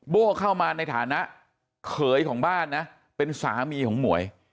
โบ้เข้ามาในฐานะเขยของบ้านนะเป็นสามีของหมวย